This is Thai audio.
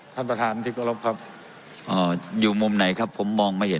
ท่านประธานที่กรบครับอยู่มุมไหนครับผมมองไม่เห็น